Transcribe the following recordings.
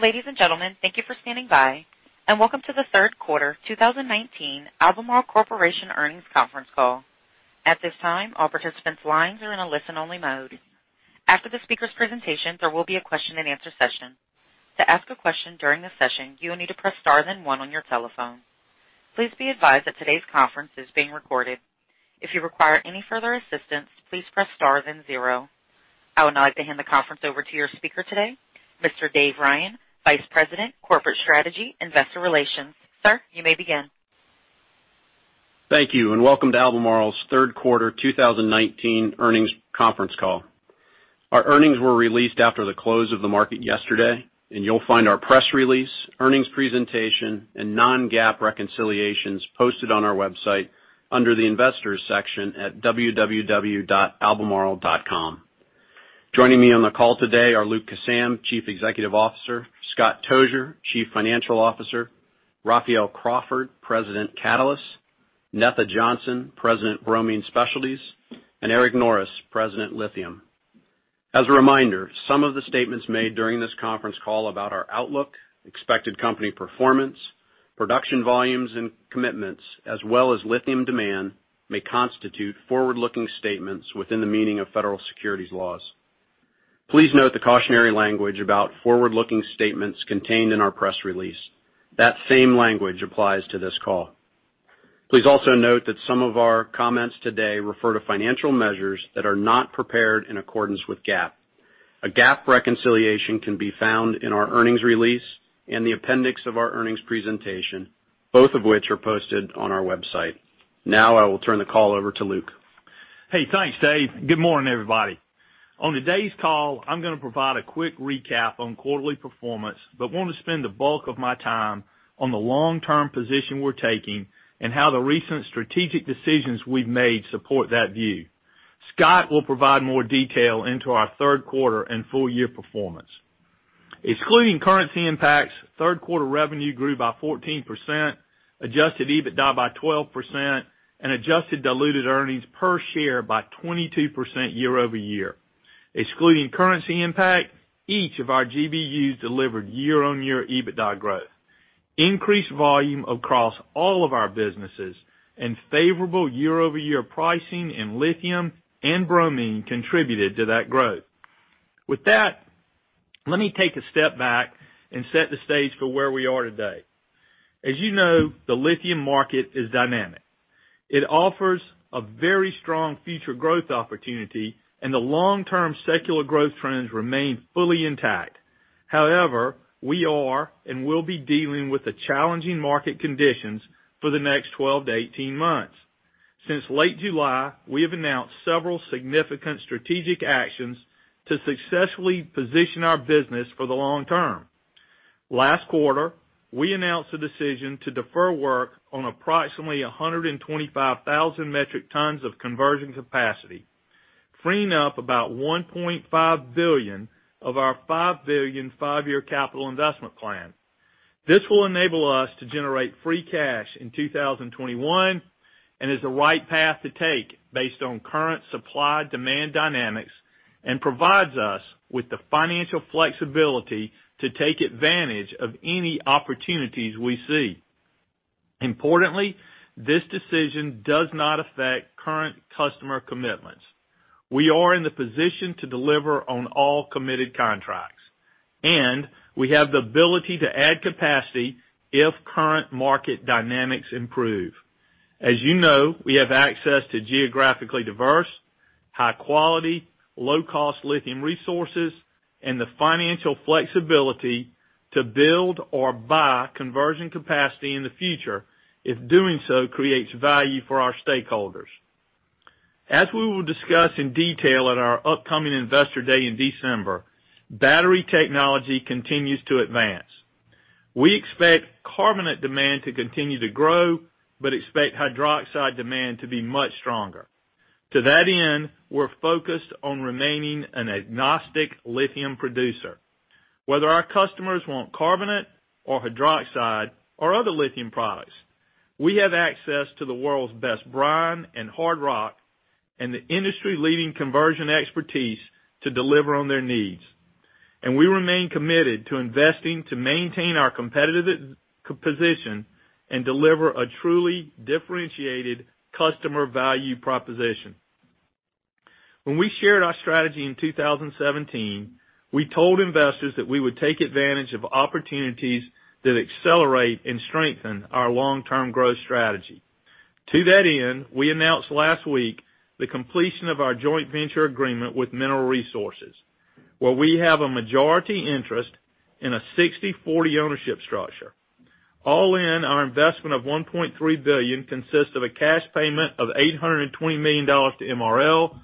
Ladies and gentlemen, thank you for standing by, and welcome to the third quarter 2019 Albemarle Corporation earnings conference call. At this time, all participants' lines are in a listen-only mode. After the speakers' presentation, there will be a question and answer session. To ask a question during the session, you will need to press star then one on your telephone. Please be advised that today's conference is being recorded. If you require any further assistance, please press star then zero. I would now like to hand the conference over to your speaker today, Mr. Dave Ryan, Vice President, Corporate Strategy, Investor Relations. Sir, you may begin. Thank you. Welcome to Albemarle's third quarter 2019 earnings conference call. Our earnings were released after the close of the market yesterday. You'll find our press release, earnings presentation, and non-GAAP reconciliations posted on our website under the Investors section at www.albemarle.com. Joining me on the call today are Luke Kissam, Chief Executive Officer, Scott Tozier, Chief Financial Officer, Raphael Crawford, President, Catalysts, Netha Johnson, President, Bromine Specialties, and Eric Norris, President, Lithium. As a reminder, some of the statements made during this conference call about our outlook, expected company performance, production volumes and commitments, as well as lithium demand, may constitute forward-looking statements within the meaning of Federal Securities laws. Please note the cautionary language about forward-looking statements contained in our press release. That same language applies to this call. Please also note that some of our comments today refer to financial measures that are not prepared in accordance with GAAP. A GAAP reconciliation can be found in our earnings release and the appendix of our earnings presentation, both of which are posted on our website. Now I will turn the call over to Luke. Hey, thanks, Dave. Good morning, everybody. On today's call, I'm going to provide a quick recap on quarterly performance, but want to spend the bulk of my time on the long-term position we're taking and how the recent strategic decisions we've made support that view. Scott will provide more detail into our third quarter and full-year performance. Excluding currency impacts, third-quarter revenue grew by 14%, adjusted EBITDA by 12%, and adjusted diluted earnings per share by 22% year-over-year. Excluding currency impact, each of our GBUs delivered year-on-year EBITDA growth. Increased volume across all of our businesses and favorable year-over-year pricing in lithium and bromine contributed to that growth. With that, let me take a step back and set the stage for where we are today. As you know, the lithium market is dynamic. It offers a very strong future growth opportunity, and the long-term secular growth trends remain fully intact. However, we are and will be dealing with the challenging market conditions for the next 12 to 18 months. Since late July, we have announced several significant strategic actions to successfully position our business for the long term. Last quarter, we announced a decision to defer work on approximately 125,000 metric tons of conversion capacity, freeing up about $1.5 billion of our $5 billion five-year capital investment plan. This will enable us to generate free cash in 2021 and is the right path to take based on current supply-demand dynamics and provides us with the financial flexibility to take advantage of any opportunities we see. Importantly, this decision does not affect current customer commitments. We are in the position to deliver on all committed contracts. We have the ability to add capacity if current market dynamics improve. As you know, we have access to geographically diverse, high-quality, low-cost lithium resources and the financial flexibility to build or buy conversion capacity in the future if doing so creates value for our stakeholders. We will discuss in detail at our upcoming Investor Day in December, battery technology continues to advance. We expect carbonate demand to continue to grow. We expect hydroxide demand to be much stronger. To that end, we're focused on remaining an agnostic lithium producer. Whether our customers want carbonate or hydroxide or other lithium products, we have access to the world's best brine and hard rock and the industry-leading conversion expertise to deliver on their needs. We remain committed to investing to maintain our competitive position and deliver a truly differentiated customer value proposition. When we shared our strategy in 2017, we told investors that we would take advantage of opportunities that accelerate and strengthen our long-term growth strategy. To that end, we announced last week the completion of our joint venture agreement with Mineral Resources, where we have a majority interest in a 60/40 ownership structure. All in, our investment of $1.3 billion consists of a cash payment of $820 million to MRL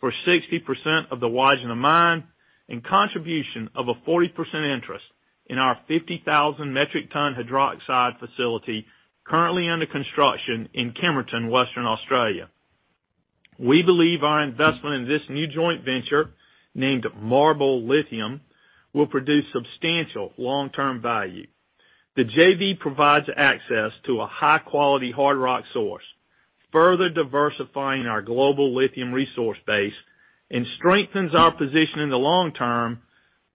for 60% of the Wodgina mine and contribution of a 40% interest in our 50,000 metric ton hydroxide facility currently under construction in Kemerton, Western Australia. We believe our investment in this new joint venture, named MARBL Lithium, will produce substantial long-term value. The JV provides access to a high-quality hard rock source, further diversifying our global lithium resource base and strengthens our position in the long term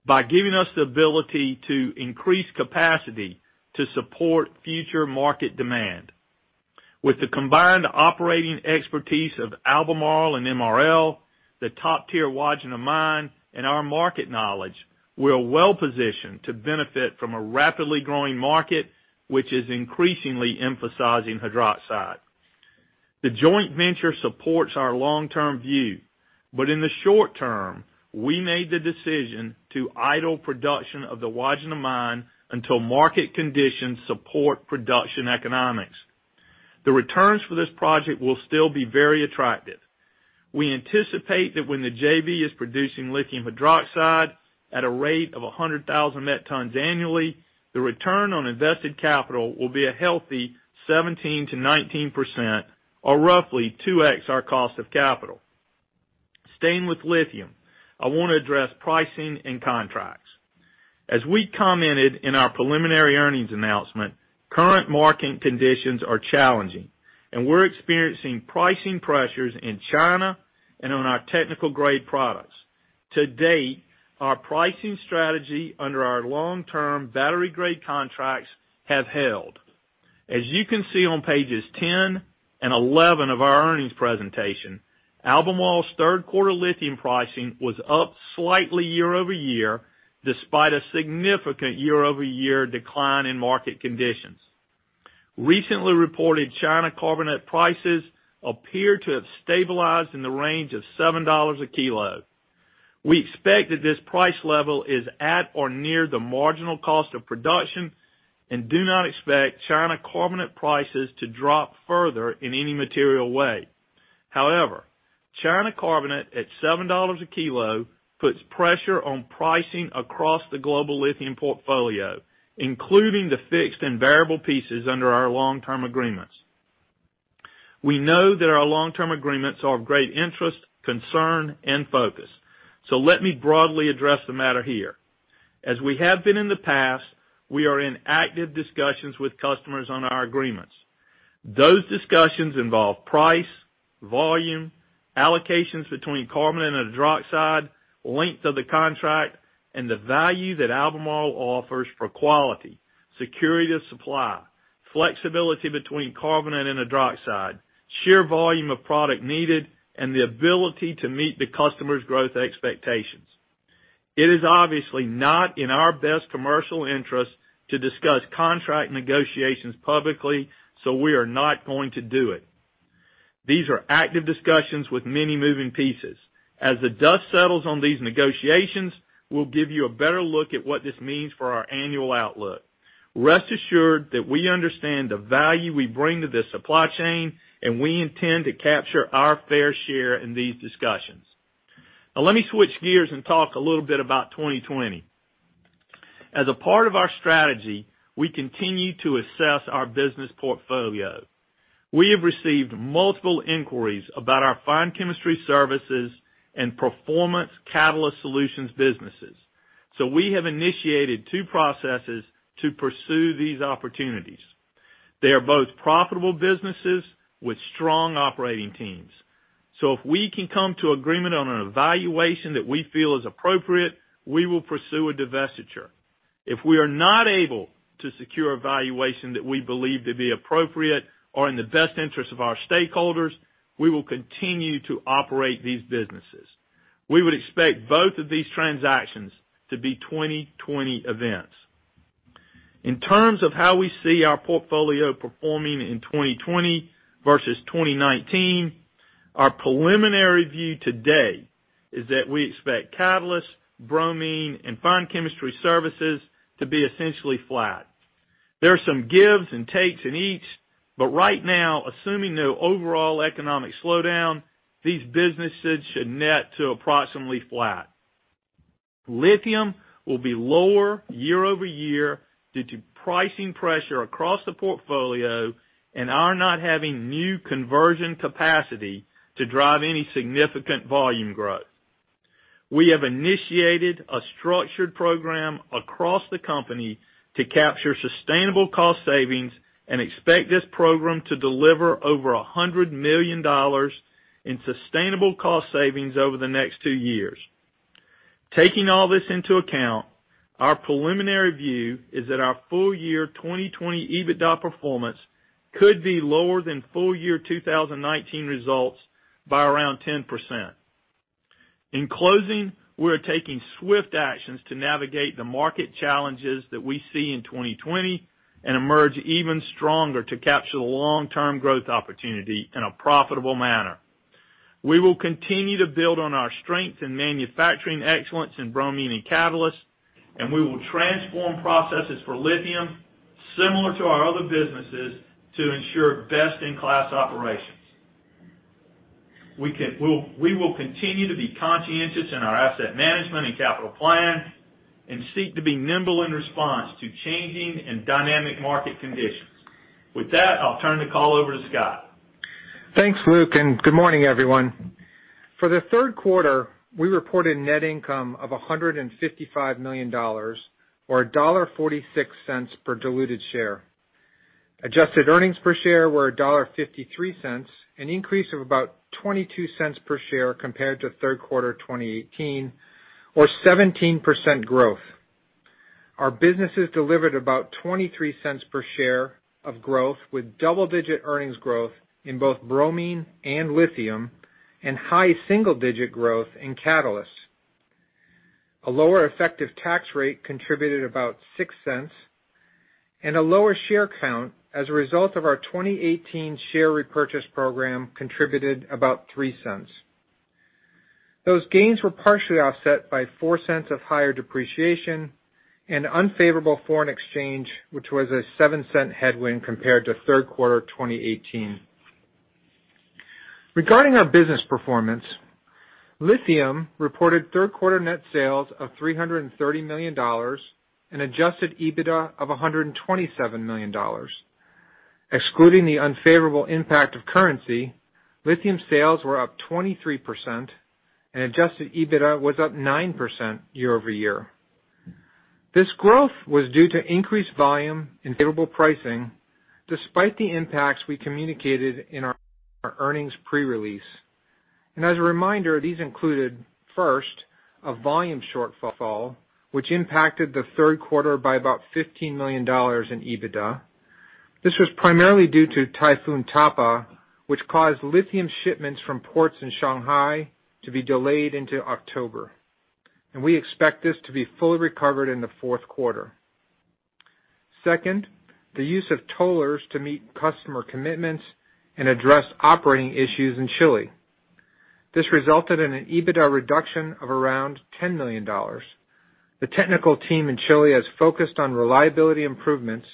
by giving us the ability to increase capacity to support future market demand. With the combined operating expertise of Albemarle and MRL, the top-tier Wodgina mine, and our market knowledge, we are well-positioned to benefit from a rapidly growing market, which is increasingly emphasizing hydroxide. The joint venture supports our long-term view, but in the short term, we made the decision to idle production of the Wodgina mine until market conditions support production economics. The returns for this project will still be very attractive. We anticipate that when the JV is producing lithium hydroxide at a rate of 100,000 metric tons annually, the return on invested capital will be a healthy 17%-19%, or roughly 2x our cost of capital. Staying with lithium, I want to address pricing and contracts. As we commented in our preliminary earnings announcement, current market conditions are challenging, and we're experiencing pricing pressures in China and on our technical grade products. To date, our pricing strategy under our long-term battery grade contracts have held. As you can see on pages 10 and 11 of our earnings presentation, Albemarle's third quarter lithium pricing was up slightly year-over-year, despite a significant year-over-year decline in market conditions. Recently reported China carbonate prices appear to have stabilized in the range of $7 a kilo. We expect that this price level is at or near the marginal cost of production and do not expect China carbonate prices to drop further in any material way. China carbonate at $7 a kilo puts pressure on pricing across the global lithium portfolio, including the fixed and variable pieces under our long-term agreements. We know that our long-term agreements are of great interest, concern, and focus. Let me broadly address the matter here. As we have been in the past, we are in active discussions with customers on our agreements. Those discussions involve price, volume, allocations between carbonate and hydroxide, length of the contract, and the value that Albemarle offers for quality, security of supply, flexibility between carbonate and hydroxide, sheer volume of product needed, and the ability to meet the customer's growth expectations. It is obviously not in our best commercial interest to discuss contract negotiations publicly, so we are not going to do it. These are active discussions with many moving pieces. As the dust settles on these negotiations, we'll give you a better look at what this means for our annual outlook. Rest assured that we understand the value we bring to this supply chain, and we intend to capture our fair share in these discussions. Let me switch gears and talk a little bit about 2020. As a part of our strategy, we continue to assess our business portfolio. We have received multiple inquiries about our Fine Chemistry Services and Performance Catalyst Solutions businesses. We have initiated two processes to pursue these opportunities. They are both profitable businesses with strong operating teams. If we can come to agreement on a valuation that we feel is appropriate, we will pursue a divestiture. If we are not able to secure a valuation that we believe to be appropriate or in the best interest of our stakeholders, we will continue to operate these businesses. We would expect both of these transactions to be 2020 events. In terms of how we see our portfolio performing in 2020 versus 2019, our preliminary view today is that we expect catalyst, bromine, and Fine Chemistry Services to be essentially flat. There are some gives and takes in each, but right now, assuming no overall economic slowdown, these businesses should net to approximately flat. Lithium will be lower year-over-year due to pricing pressure across the portfolio and our not having new conversion capacity to drive any significant volume growth. We have initiated a structured program across the company to capture sustainable cost savings and expect this program to deliver over $100 million in sustainable cost savings over the next two years. Taking all this into account, our preliminary view is that our full year 2020 EBITDA performance could be lower than full year 2019 results by around 10%. In closing, we are taking swift actions to navigate the market challenges that we see in 2020 and emerge even stronger to capture the long-term growth opportunity in a profitable manner. We will continue to build on our strength in manufacturing excellence in bromine and catalyst. We will transform processes for lithium similar to our other businesses to ensure best-in-class operations. We will continue to be conscientious in our asset management and capital plan and seek to be nimble in response to changing and dynamic market conditions. With that, I'll turn the call over to Scott. Thanks, Luke, and good morning, everyone. For the third quarter, we reported net income of $155 million or $1.46 per diluted share. Adjusted earnings per share were $1.53, an increase of about $0.22 per share compared to third quarter 2018 or 17% growth. Our businesses delivered about $0.23 per share of growth with double-digit earnings growth in both Bromine and Lithium and high single-digit growth in Catalysts. A lower effective tax rate contributed about $0.60 and a lower share count as a result of our 2018 share repurchase program contributed about $0.03. Those gains were partially offset by $0.04 of higher depreciation and unfavorable foreign exchange, which was a $0.07 headwind compared to third quarter 2018. Regarding our business performance, Lithium reported third quarter net sales of $330 million and adjusted EBITDA of $127 million. Excluding the unfavorable impact of currency, lithium sales were up 23% and adjusted EBITDA was up 9% year-over-year. This growth was due to increased volume and favorable pricing, despite the impacts we communicated in our earnings pre-release. As a reminder, these included, first, a volume shortfall, which impacted the third quarter by about $15 million in EBITDA. This was primarily due to Typhoon Tapah, which caused lithium shipments from ports in Shanghai to be delayed into October. We expect this to be fully recovered in the fourth quarter. Second, the use of tollers to meet customer commitments and address operating issues in Chile. This resulted in an EBITDA reduction of around $10 million. The technical team in Chile has focused on reliability improvements,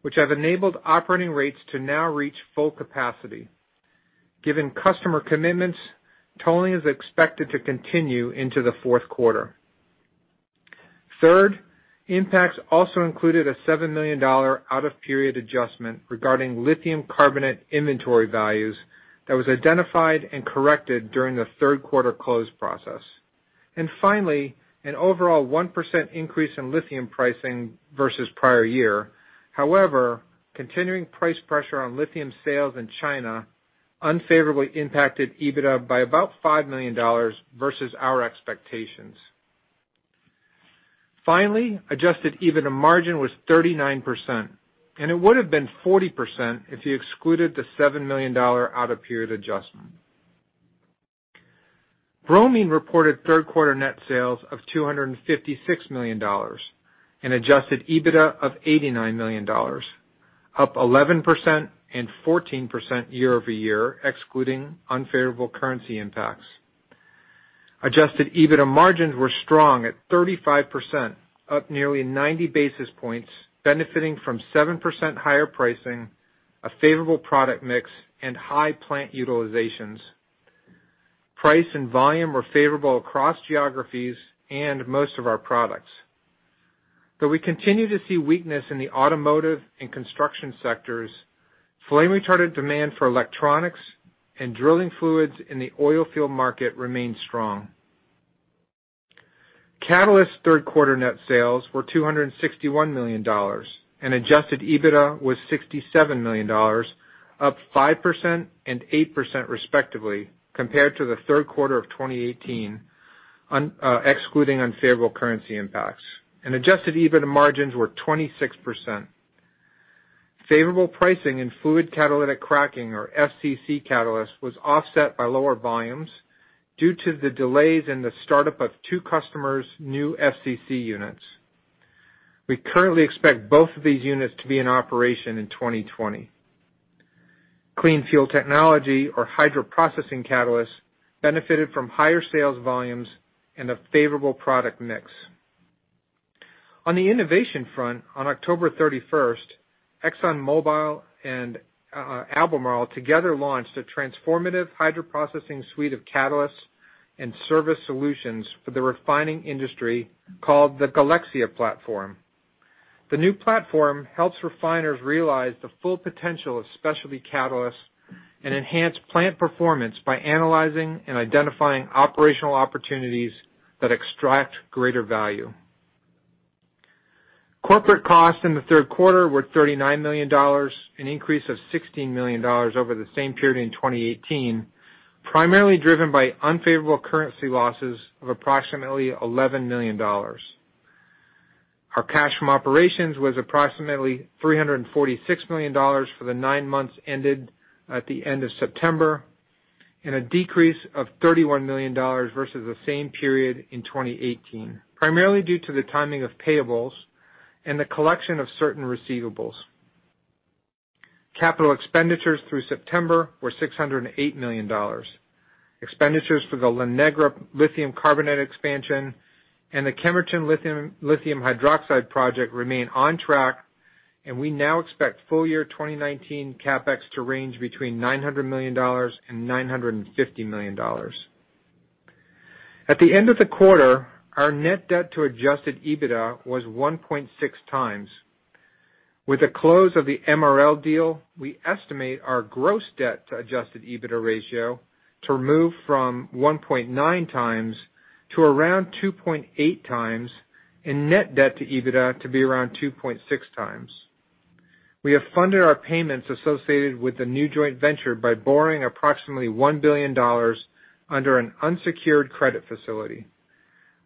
which have enabled operating rates to now reach full capacity. Given customer commitments, tolling is expected to continue into the fourth quarter. Impacts also included a $7 million out-of-period adjustment regarding lithium carbonate inventory values that was identified and corrected during the third quarter close process. Finally, an overall 1% increase in lithium pricing versus prior year. However, continuing price pressure on lithium sales in China unfavorably impacted EBITDA by about $5 million versus our expectations. Finally, adjusted EBITDA margin was 39%, and it would've been 40% if you excluded the $7 million out-of-period adjustment. Bromine reported third quarter net sales of $256 million and adjusted EBITDA of $89 million, up 11% and 14% year-over-year, excluding unfavorable currency impacts. Adjusted EBITDA margins were strong at 35%, up nearly 90 basis points, benefiting from 7% higher pricing, a favorable product mix, and high plant utilizations. Price and volume were favorable across geographies and most of our products. Though we continue to see weakness in the automotive and construction sectors, flame retardant demand for electronics and drilling fluids in the oil field market remained strong. Catalyst third quarter net sales were $261 million, and adjusted EBITDA was $67 million, up 5% and 8% respectively compared to the third quarter of 2018, excluding unfavorable currency impacts. Adjusted EBITDA margins were 26%. Favorable pricing in fluid catalytic cracking or FCC catalyst was offset by lower volumes due to the delays in the startup of two customers' new FCC units. We currently expect both of these units to be in operation in 2020. Clean Fuels Technology or hydroprocessing catalysts benefited from higher sales volumes and a favorable product mix. On the innovation front, on October 31st, ExxonMobil and Albemarle together launched a transformative hydroprocessing suite of catalysts and service solutions for the refining industry called the Galexia platform. The new platform helps refiners realize the full potential of specialty catalysts and enhance plant performance by analyzing and identifying operational opportunities that extract greater value. Corporate costs in the third quarter were $39 million, an increase of $16 million over the same period in 2018, primarily driven by unfavorable currency losses of approximately $11 million. Our cash from operations was approximately $346 million for the nine months ended at the end of September, and a decrease of $31 million versus the same period in 2018, primarily due to the timing of payables and the collection of certain receivables. Capital expenditures through September were $608 million. Expenditures for the La Negra lithium carbonate expansion and the Kemerton lithium hydroxide project remain on track, and we now expect full year 2019 CapEx to range between $900 million and $950 million. At the end of the quarter, our net debt to adjusted EBITDA was 1.6x. With the close of the MRL deal, we estimate our gross debt to adjusted EBITDA ratio to move from 1.9x to around 2.8x, and net debt to EBITDA to be around 2.6x. We have funded our payments associated with the new joint venture by borrowing approximately $1 billion under an unsecured credit facility.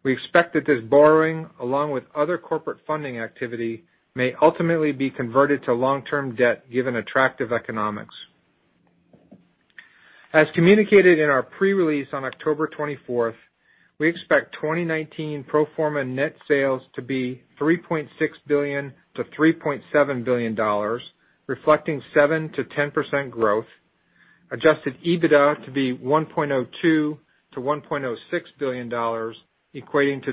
We expect that this borrowing, along with other corporate funding activity, may ultimately be converted to long-term debt given attractive economics. As communicated in our pre-release on October 24th, we expect 2019 pro forma net sales to be $3.6 billion to $3.7 billion, reflecting 7%-10% growth, adjusted EBITDA to be $1.02 billion to $1.06 billion, equating to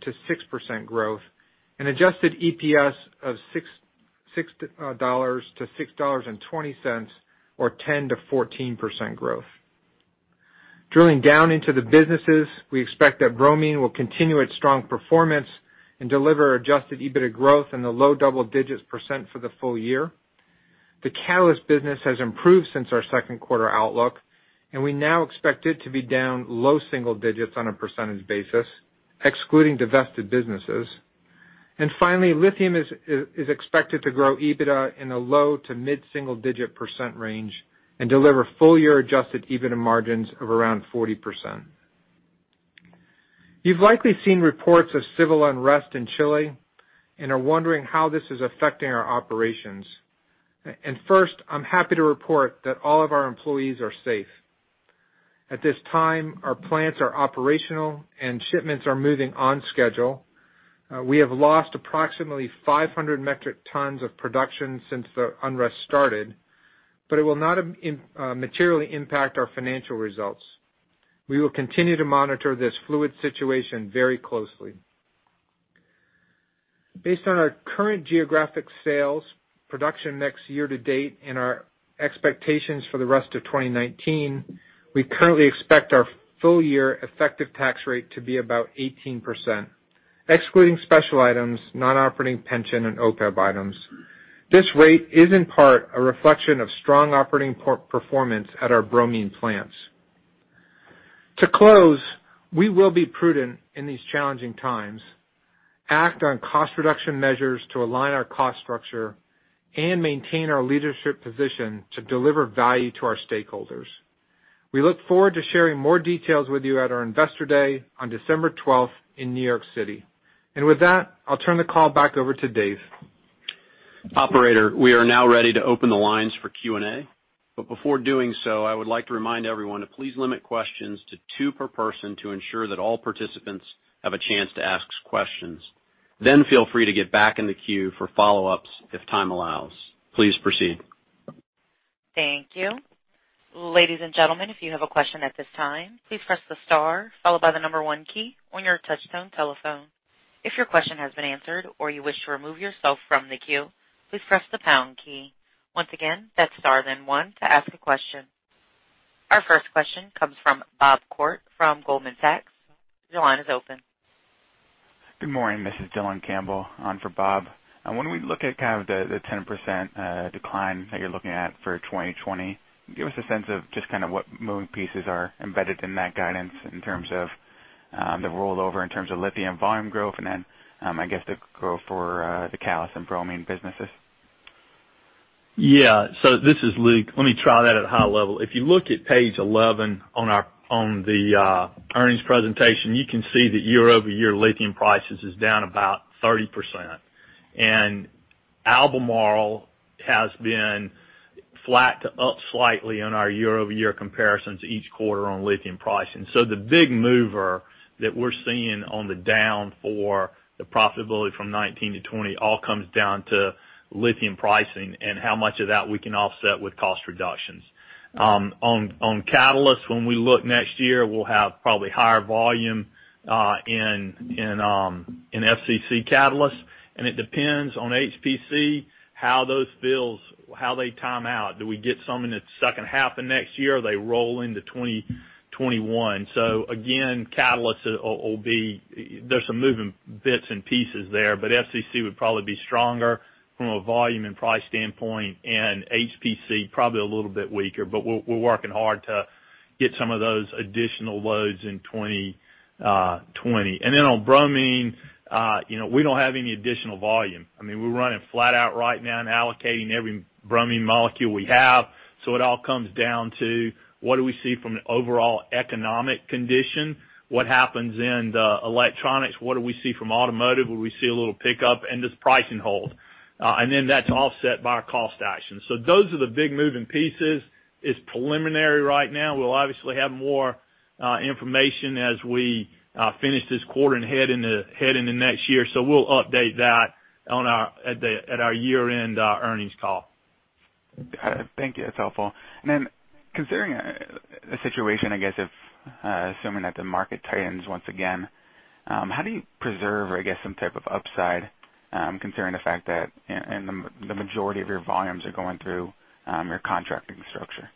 2%-6% growth, and adjusted EPS of $6 to $6.20, or 10%-14% growth. Drilling down into the businesses, we expect that Bromine will continue its strong performance and deliver adjusted EBITDA growth in the low double digits % for the full year. The catalyst business has improved since our second quarter outlook, we now expect it to be down low single digits on a % basis, excluding divested businesses. Finally, Lithium is expected to grow EBITDA in a low to mid-single digit % range and deliver full-year adjusted EBITDA margins of around 40%. You've likely seen reports of civil unrest in Chile and are wondering how this is affecting our operations. First, I'm happy to report that all of our employees are safe. At this time, our plants are operational and shipments are moving on schedule. We have lost approximately 500 metric tons of production since the unrest started, but it will not materially impact our financial results. We will continue to monitor this fluid situation very closely. Based on our current geographic sales production next year to date and our expectations for the rest of 2019, we currently expect our full-year effective tax rate to be about 18%, excluding special items, non-operating pension, and OPEB items. This rate is in part a reflection of strong operating performance at our bromine plants. To close, we will be prudent in these challenging times, act on cost reduction measures to align our cost structure, and maintain our leadership position to deliver value to our stakeholders. We look forward to sharing more details with you at our Investor Day on December 12th in New York City. With that, I'll turn the call back over to Dave. Operator, we are now ready to open the lines for Q&A. Before doing so, I would like to remind everyone to please limit questions to two per person to ensure that all participants have a chance to ask questions. Feel free to get back in the queue for follow-ups if time allows. Please proceed. Thank you. Ladies and gentlemen, if you have a question at this time, please press the star followed by the number one key on your touchtone telephone. If your question has been answered or you wish to remove yourself from the queue, please press the pound key. Once again, that's star then one to ask a question. Our first question comes from Bob Koort from Goldman Sachs. Your line is open. Good morning. This is Dylan Campbell on for Bob. We look at the 10% decline that you're looking at for 2020, give us a sense of just what moving pieces are embedded in that guidance in terms of the rollover in terms of lithium volume growth and then, I guess, the growth for the catalyst and bromine businesses. This is Luke. Let me try that at a high level. If you look at page 11 on the earnings presentation, you can see that year-over-year lithium prices is down about 30%. Albemarle has been flat to up slightly on our year-over-year comparisons each quarter on lithium pricing. The big mover that we're seeing on the down for the profitability from 2019 to 2020 all comes down to lithium pricing and how much of that we can offset with cost reductions. On catalysts, when we look next year, we'll have probably higher volume in FCC catalyst, and it depends on HPC, how those builds, how they time out. Do we get some in the second half of next year? Do they roll into 2021? Again, catalysts, there's some moving bits and pieces there, but FCC would probably be stronger from a volume and price standpoint and HPC probably a little bit weaker, but we're working hard to get some of those additional loads in 2020. On bromine, we don't have any additional volume. We're running flat out right now and allocating every bromine molecule we have. It all comes down to what do we see from the overall economic condition, what happens in the electronics, what do we see from automotive, will we see a little pickup, and does pricing hold? That's offset by our cost actions. Those are the big moving pieces. It's preliminary right now. We'll obviously have more information as we finish this quarter and head into next year. We'll update that at our year-end earnings call. Got it. Thank you. That's helpful. Then considering the situation, I guess, if assuming that the market tightens once again. How do you preserve some type of upside considering the fact that the majority of your volumes are going through your contracting structure?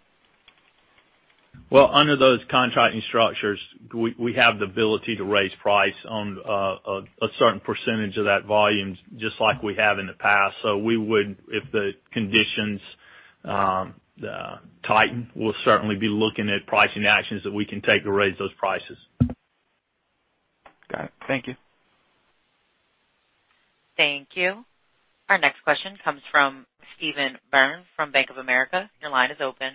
Well, under those contracting structures, we have the ability to raise price on a certain percentage of that volume, just like we have in the past. If the conditions tighten, we'll certainly be looking at pricing actions that we can take to raise those prices. Got it. Thank you. Thank you. Our next question comes from Steven Byrne from Bank of America. Your line is open.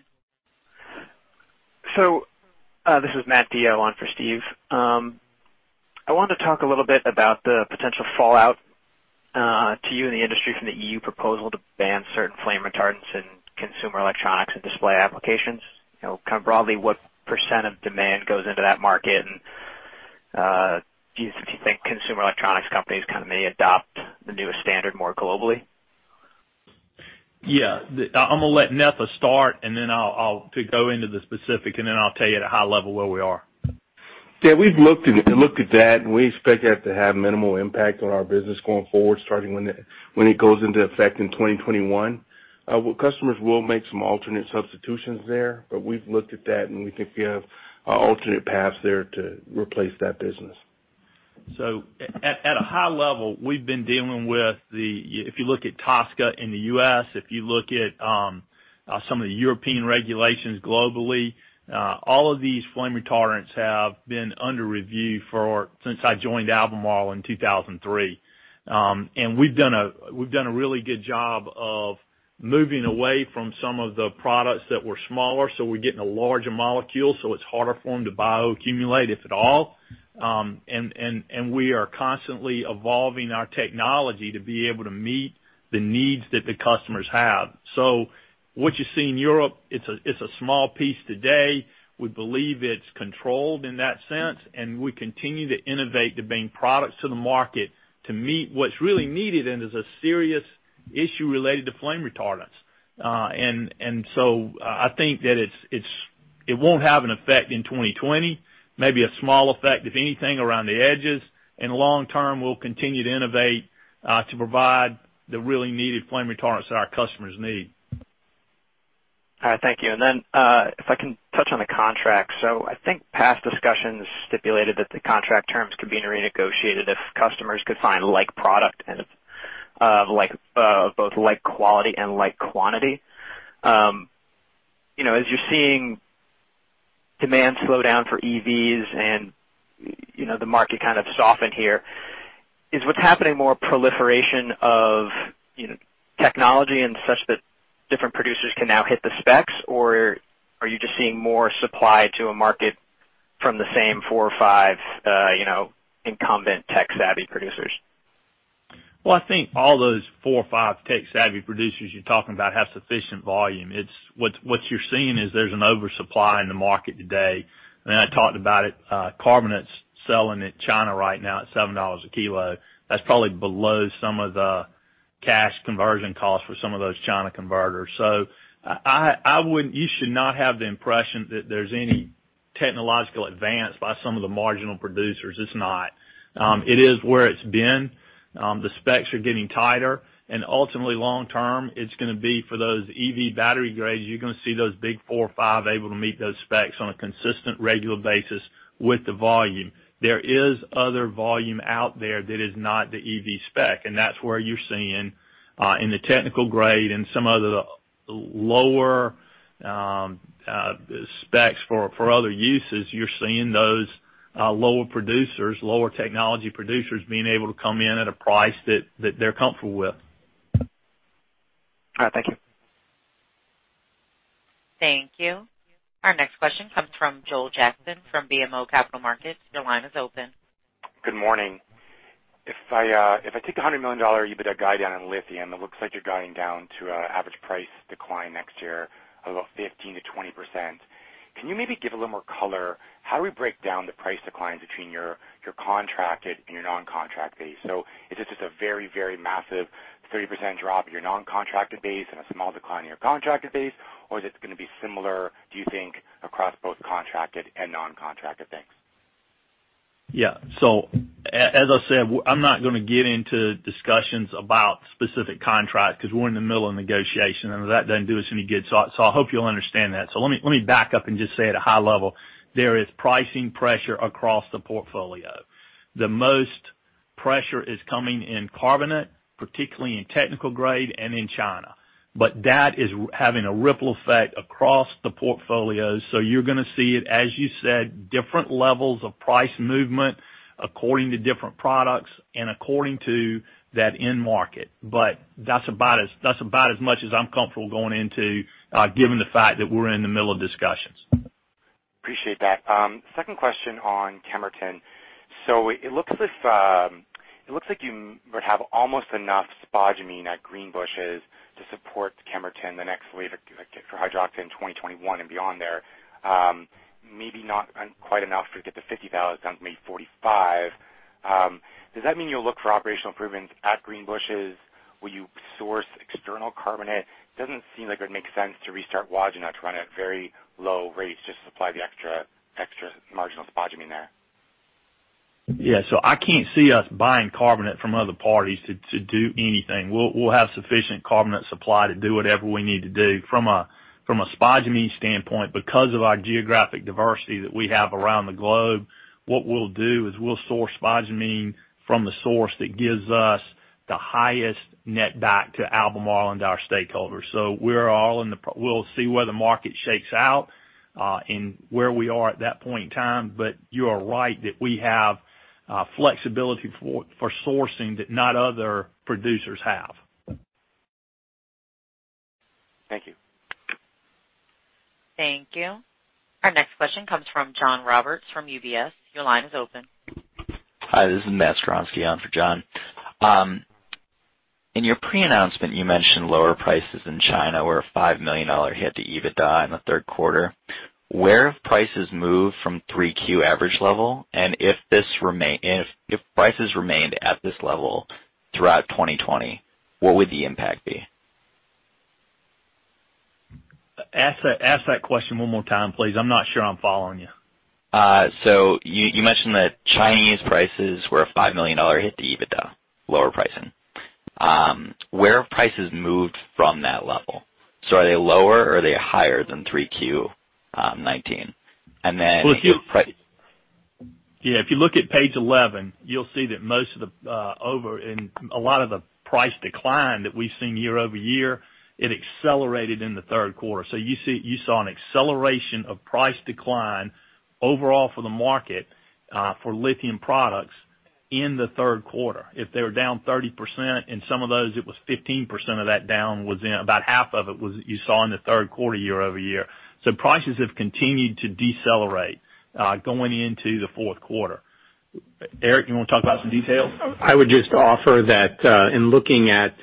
This is Matt DeYoe on for Steve. I wanted to talk a little bit about the potential fallout to you and the industry from the EU proposal to ban certain flame retardants in consumer electronics and display applications. Kind of broadly, what % of demand goes into that market, and do you think consumer electronics companies kind of may adopt the newest standard more globally? Yeah. I'm going to let Netha start to go into the specific, and then I'll tell you at a high level where we are. Yeah, we've looked at that, and we expect that to have minimal impact on our business going forward, starting when it goes into effect in 2021. Customers will make some alternate substitutions there, but we've looked at that, and we think we have alternate paths there to replace that business. At a high level, if you look at TSCA in the U.S., if you look at some of the European regulations globally, all of these flame retardants have been under review since I joined Albemarle in 2003. We've done a really good job of moving away from some of the products that were smaller. We're getting a larger molecule, so it's harder for them to bioaccumulate, if at all. We are constantly evolving our technology to be able to meet the needs that the customers have. What you see in Europe, it's a small piece today. We believe it's controlled in that sense, and we continue to innovate to bring products to the market to meet what's really needed, and there's a serious issue related to flame retardants. I think that it won't have an effect in 2020, maybe a small effect, if anything, around the edges. In the long term, we'll continue to innovate to provide the really needed flame retardants that our customers need. All right. Thank you. Then if I can touch on the contract. I think past discussions stipulated that the contract terms could be renegotiated if customers could find like product of both like quality and like quantity. As you're seeing demand slow down for EVs and the market kind of soften here, is what's happening more proliferation of technology and such that different producers can now hit the specs, or are you just seeing more supply to a market from the same four or five incumbent tech-savvy producers? Well, I think all those four or five tech-savvy producers you're talking about have sufficient volume. What you're seeing is there's an oversupply in the market today. I talked about it, carbonate's selling in China right now at $7 a kilo. That's probably below some of the cash conversion costs for some of those China converters. You should not have the impression that there's any technological advance by some of the marginal producers. It's not. It is where it's been. The specs are getting tighter, and ultimately long term, it's going to be for those EV battery grades, you're going to see those big four or five able to meet those specs on a consistent, regular basis with the volume. There is other volume out there that is not the EV spec, and that's where you're seeing in the technical grade and some of the lower specs for other uses, you're seeing those lower technology producers being able to come in at a price that they're comfortable with. All right. Thank you. Thank you. Our next question comes from Joel Jackson from BMO Capital Markets. Your line is open. Good morning. If I take the $100 million EBITDA guide down in lithium, it looks like you're guiding down to an average price decline next year of about 15%-20%. Can you maybe give a little more color? How do we break down the price declines between your contracted and your non-contract base? Is this just a very massive 30% drop in your non-contracted base and a small decline in your contracted base, or is it going to be similar, do you think, across both contracted and non-contracted things? As I said, I'm not going to get into discussions about specific contracts because we're in the middle of negotiation, and that doesn't do us any good. I hope you'll understand that. Let me back up and just say at a high level, there is pricing pressure across the portfolio. The most pressure is coming in carbonate, particularly in technical grade and in China. That is having a ripple effect across the portfolio. You're going to see it, as you said, different levels of price movement according to different products and according to that end market. That's about as much as I'm comfortable going into given the fact that we're in the middle of discussions. Appreciate that. Second question on Kemerton. It looks like you would have almost enough spodumene at Greenbushes to support Kemerton the next wave for hydroxide in 2021 and beyond there. Maybe not quite enough to get to 50,000, maybe 45. Does that mean you'll look for operational improvements at Greenbushes? Will you source external carbonate? It doesn't seem like it would make sense to restart Wodgina to run at very low rates just to supply the extra marginal spodumene there. Yeah. I can't see us buying carbonate from other parties to do anything. We'll have sufficient carbonate supply to do whatever we need to do from a spodumene standpoint because of our geographic diversity that we have around the globe. What we'll do is we'll source spodumene from the source that gives us the highest net back to Albemarle and our stakeholders. We'll see where the market shakes out, and where we are at that point in time. You are right that we have flexibility for sourcing that not other producers have. Thank you. Thank you. Our next question comes from John Roberts from UBS. Your line is open. Hi, this is Matt Skowronski on for John. In your pre-announcement, you mentioned lower prices in China were a $5 million hit to EBITDA in the third quarter. Where have prices moved from 3Q average level? If prices remained at this level throughout 2020, what would the impact be? Ask that question one more time, please. I'm not sure I'm following you. You mentioned that Chinese prices were a $5 million hit to EBITDA, lower pricing. Where have prices moved from that level? Are they lower or are they higher than 3Q 2019? Well, if you- Pri- Yeah, if you look at page 11, you'll see that a lot of the price decline that we've seen year-over-year, it accelerated in the third quarter. You saw an acceleration of price decline overall for the market, for lithium products in the third quarter. If they were down 30%, in some of those, it was 15% of that down, about half of it you saw in the third quarter year-over-year. Prices have continued to decelerate, going into the fourth quarter. Eric, you want to talk about some details? I would just offer that, in looking at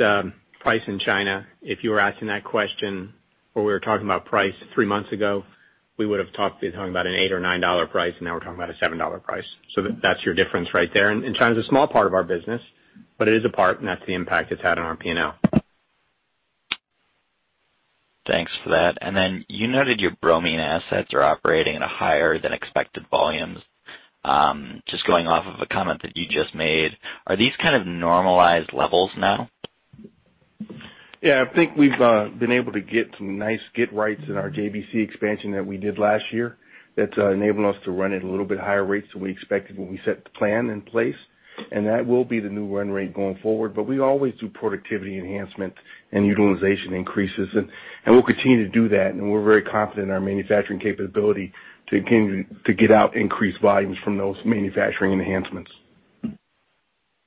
price in China, if you were asking that question or we were talking about price three months ago, we would've been talking about an $8 or $9 price, and now we're talking about a $7 price. That's your difference right there. China's a small part of our business, but it is a part, and that's the impact it's had on our P&L. Thanks for that. You noted your bromine assets are operating at a higher than expected volumes. Just going off of a comment that you just made, are these kind of normalized levels now? Yeah, I think we've been able to get some nice get rights in our JBC expansion that we did last year that's enabling us to run at a little bit higher rates than we expected when we set the plan in place. That will be the new run rate going forward. We always do productivity enhancement and utilization increases, and we'll continue to do that, and we're very confident in our manufacturing capability to get out increased volumes from those manufacturing enhancements.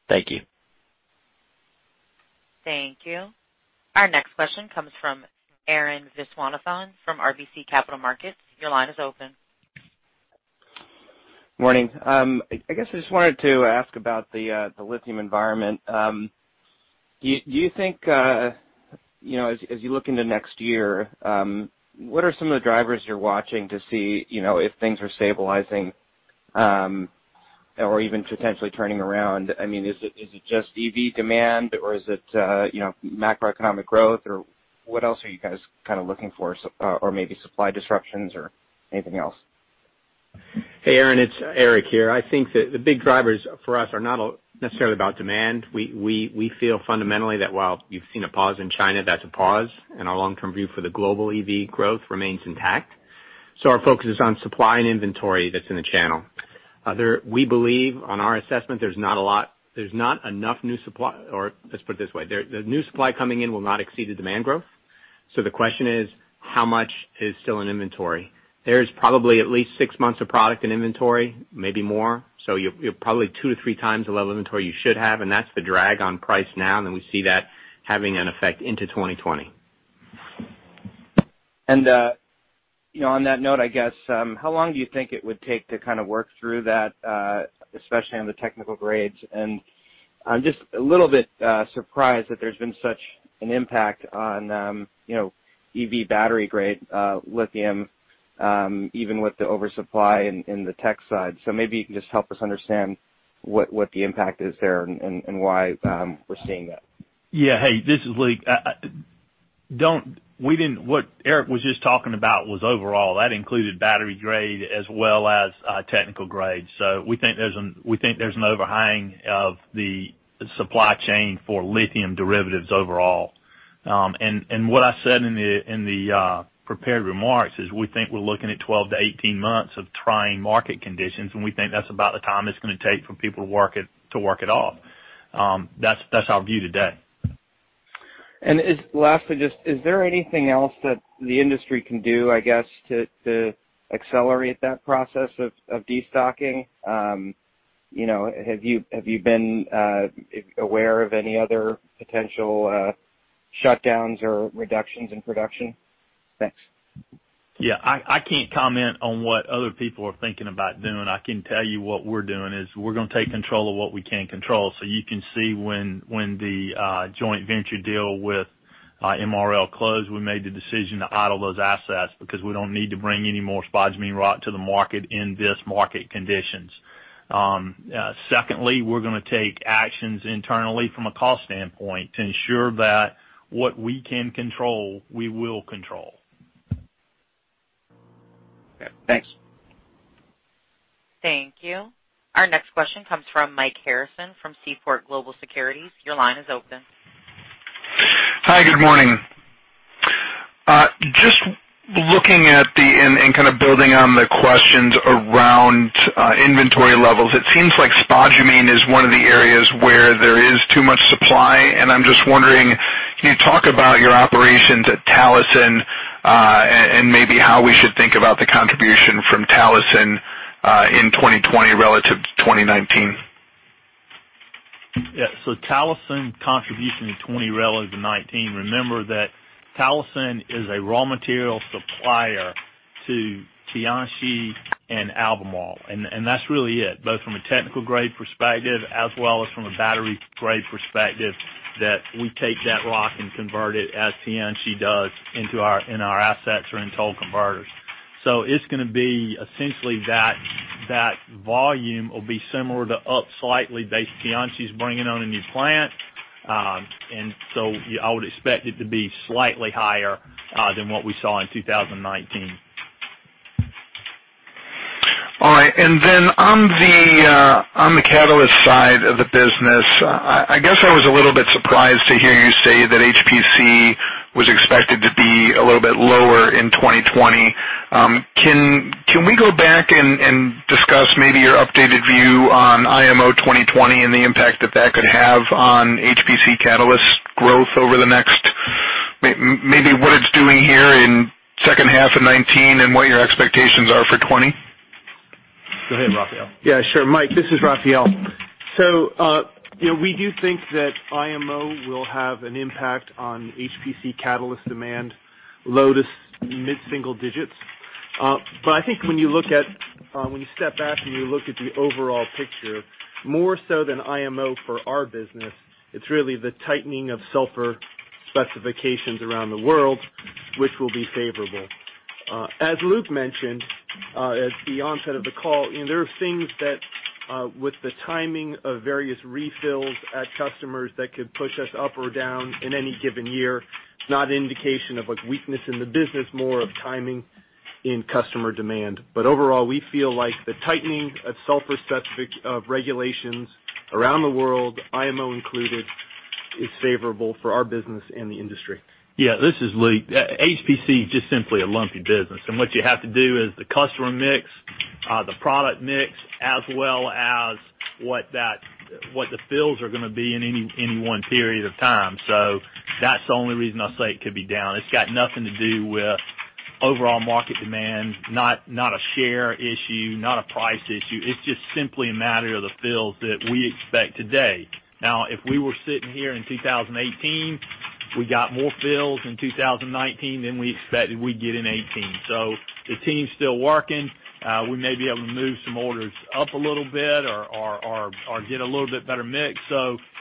Thank you. Thank you. Our next question comes from Arun Viswanathan from RBC Capital Markets. Your line is open. Morning. I guess I just wanted to ask about the lithium environment. Do you think, as you look into next year, what are some of the drivers you're watching to see if things are stabilizing, or even potentially turning around? Is it just EV demand or is it macroeconomic growth or what else are you guys kind of looking for, or maybe supply disruptions or anything else? Hey, Arun, it's Eric here. I think that the big drivers for us are not necessarily about demand. We feel fundamentally that while you've seen a pause in China, that's a pause, and our long-term view for the global EV growth remains intact. Our focus is on supply and inventory that's in the channel. We believe on our assessment there's not enough new supply, or let's put it this way, the new supply coming in will not exceed the demand growth. The question is how much is still in inventory? There's probably at least six months of product in inventory, maybe more. You have probably two to three times the level of inventory you should have, and that's the drag on price now, and then we see that having an effect into 2020. On that note, I guess, how long do you think it would take to kind of work through that, especially on the technical grades? I'm just a little bit surprised that there's been such an impact on EV battery-grade lithium, even with the oversupply in the tech side. Maybe you can just help us understand what the impact is there and why we're seeing that. Hey, this is Luke. What Eric was just talking about was overall, that included battery grade as well as technical grade. We think there's an overhang of the supply chain for lithium derivatives overall. What I said in the prepared remarks is we think we're looking at 12-18 months of trying market conditions, and we think that's about the time it's going to take for people to work it off. That's our view today. Lastly, just is there anything else that the industry can do, I guess, to accelerate that process of de-stocking? Have you been aware of any other potential shutdowns or reductions in production? Thanks. Yeah. I can't comment on what other people are thinking about doing. I can tell you what we're doing is we're going to take control of what we can control. You can see when the joint venture deal with MRL closed, we made the decision to idle those assets because we don't need to bring any more spodumene rock to the market in this market conditions. Secondly, we're going to take actions internally from a cost standpoint to ensure that what we can control, we will control. Okay, thanks. Thank you. Our next question comes from Mike Harrison from Seaport Global Securities. Your line is open. Hi, good morning. Just looking at the, and kind of building on the questions around inventory levels, it seems like spodumene is one of the areas where there is too much supply, and I'm just wondering, can you talk about your operations at Talison, and maybe how we should think about the contribution from Talison, in 2020 relative to 2019? Talison contribution in 2020 relative to 2019, remember that Talison is a raw material supplier to Tianqi and Albemarle, and that's really it, both from a technical grade perspective as well as from a battery grade perspective, that we take that rock and convert it, as Tianqi does, in our assets or in toll converters. It's going to be essentially that volume will be similar to up slightly based. Tianqi's bringing on a new plant. I would expect it to be slightly higher than what we saw in 2019. On the catalyst side of the business, I guess I was a little bit surprised to hear you say that HPC was expected to be a little bit lower in 2020. Can we go back and discuss maybe your updated view on IMO 2020 and the impact that that could have on HPC catalyst growth over the next Maybe what it's doing here in second half of 2019 and what your expectations are for 2020? Go ahead, Raphael. Yeah, sure. Mike, this is Raphael. We do think that IMO will have an impact on HPC catalyst demand, low to mid-single digits. I think when you step back and you look at the overall picture, more so than IMO for our business, it's really the tightening of sulfur specifications around the world, which will be favorable. As Luke mentioned, at the onset of the call, there are things that, with the timing of various refills at customers, that could push us up or down in any given year. It's not an indication of a weakness in the business, more of timing in customer demand. Overall, we feel like the tightening of sulfur regulations around the world, IMO included, is favorable for our business and the industry. Yeah, this is Luke. HPC is just simply a lumpy business, and what you have to do is the customer mix, the product mix, as well as what the fills are going to be in any one period of time. That's the only reason I say it could be down. It's got nothing to do with overall market demand, not a share issue, not a price issue. It's just simply a matter of the fills that we expect today. Now, if we were sitting here in 2018, we got more fills in 2019 than we expected we'd get in 2018. The team's still working. We may be able to move some orders up a little bit or get a little bit better mix.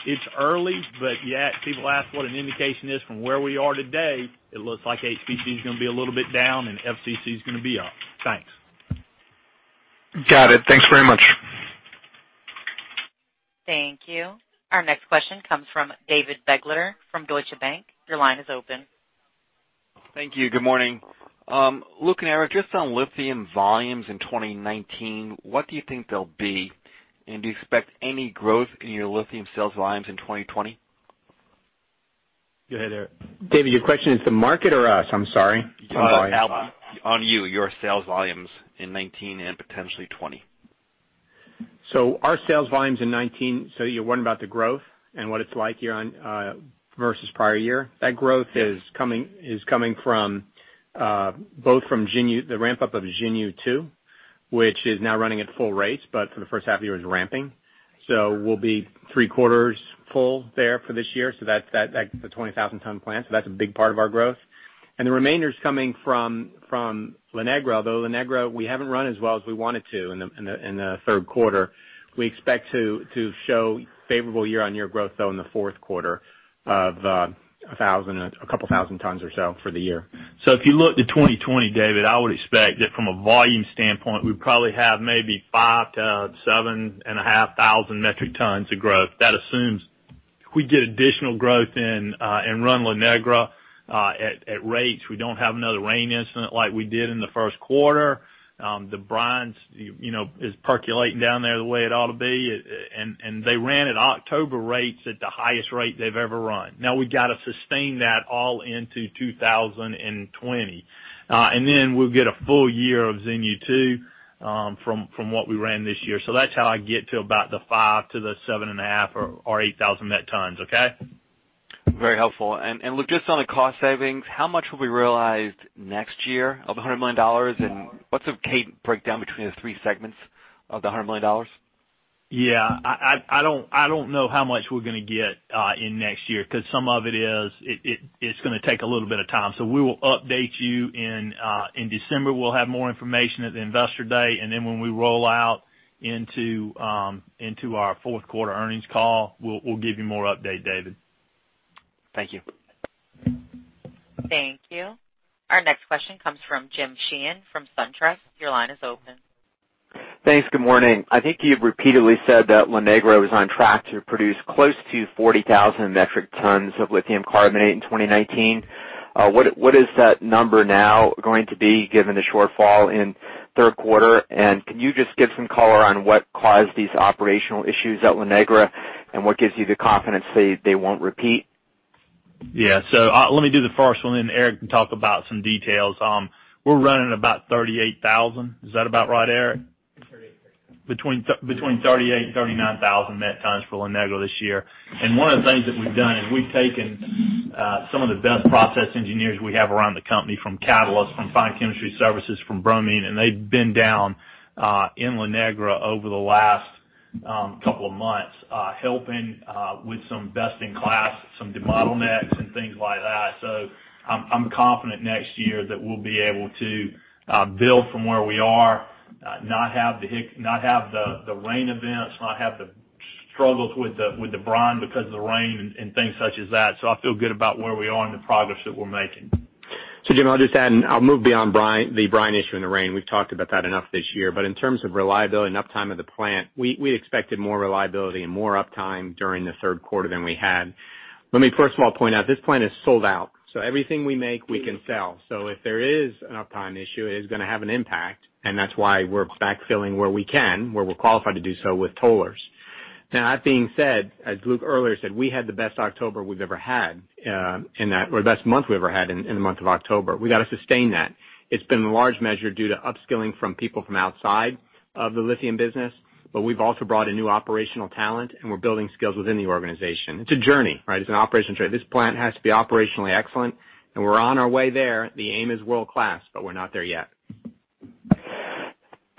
It's early, but yet people ask what an indication is from where we are today, it looks like HPC is going to be a little bit down and FCC is going to be up. Thanks. Got it. Thanks very much. Thank you. Our next question comes from David Begleiter from Deutsche Bank. Your line is open. Thank you. Good morning. Luke and Eric, just on lithium volumes in 2019, what do you think they'll be? Do you expect any growth in your lithium sales volumes in 2020? Go ahead, Eric. David, your question is to market or us? I'm sorry. On you, your sales volumes in 2019 and potentially 2020. Our sales volumes in 2019, so you're wondering about the growth and what it's like year on versus prior year? Yeah. That growth is coming both from the ramp-up of Xinyu 2, which is now running at full rates, but for the first half of the year is ramping. We'll be three quarters full there for this year. That's the 20,000 ton plant, so that's a big part of our growth. The remainder is coming from La Negra, although La Negra we haven't run as well as we wanted to in the third quarter. We expect to show favorable year-on-year growth, though, in the fourth quarter of a couple thousand tons or so for the year. If you look to 2020, David, I would expect that from a volume standpoint, we probably have maybe five to 7,500 metric tons of growth. That assumes if we get additional growth in and run La Negra at rates, we don't have another rain incident like we did in the first quarter. The brine is percolating down there the way it ought to be, and they ran at October rates at the highest rate they've ever run. Now we've got to sustain that all into 2020. Then we'll get a full year of Xinyu 2, from what we ran this year. That's how I get to about the five to the 7,500 or 8,000 net tons. Okay? Very helpful. Luke, just on the cost savings, how much will be realized next year of the $100 million, and what's the breakdown between the three segments of the $100 million? Yeah, I don't know how much we're going to get in next year because some of it is going to take a little bit of time. We will update you in December. We'll have more information at the Investor Day, and then when we roll out into our fourth quarter earnings call, we'll give you more update, David. Thank you. Thank you. Our next question comes from Jim Sheehan from SunTrust. Your line is open. Thanks. Good morning. I think you've repeatedly said that La Negra was on track to produce close to 40,000 metric tons of lithium carbonate in 2019. What is that number now going to be, given the shortfall in third quarter? Can you just give some color on what caused these operational issues at La Negra, and what gives you the confidence they won't repeat? Yeah. Let me do the first one, and then Eric can talk about some details. We're running about 38,000. Is that about right, Eric? 38. Between 38,000, 39,000 metric tons for La Negra this year. One of the things that we've done is we've taken some of the best process engineers we have around the company from Catalysts, from Fine Chemistry Services, from Bromine, and they've been down in La Negra over the last couple of months, helping with some best-in-class, some bottlenecks and things like that. I'm confident next year that we'll be able to build from where we are, not have the rain events, not have the struggles with the brine because of the rain and things such as that. I feel good about where we are and the progress that we're making. Jim, I'll just add, and I'll move beyond the brine issue and the rain. We've talked about that enough this year. In terms of reliability and uptime of the plant, we expected more reliability and more uptime during the third quarter than we had. Let me first of all point out, this plant is sold out. Everything we make, we can sell. If there is an uptime issue, it is going to have an impact, and that's why we're backfilling where we can, where we're qualified to do so with tollers. As Luke earlier said, we had the best October we've ever had or the best month we ever had in the month of October. We've got to sustain that. It's been in large measure due to upskilling from people from outside of the lithium business, but we've also brought in new operational talent, and we're building skills within the organization. It's a journey, right? It's an operational journey. This plant has to be operationally excellent, and we're on our way there. The aim is world-class, but we're not there yet.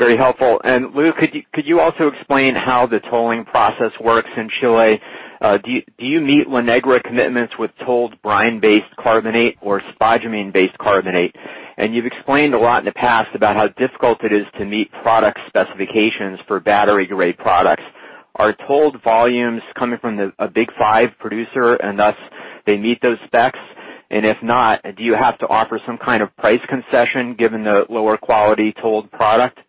Very helpful. Luke, could you also explain how the tolling process works in Chile? Do you meet La Negra commitments with tolled brine-based carbonate or spodumene-based carbonate? You've explained a lot in the past about how difficult it is to meet product specifications for battery-grade products. Are tolled volumes coming from a big five producer, and thus they meet those specs? If not, do you have to offer some kind of price concession given the lower quality tolled product?